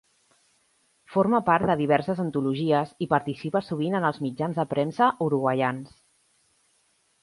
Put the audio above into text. Forma part de diverses antologies i participa sovint en els mitjans de premsa uruguaians.